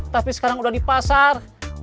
tapi sekarang udah di pasar